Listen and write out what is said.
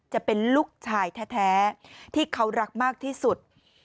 จะเป็นลูกชายแท้ที่เขารักมากที่สุด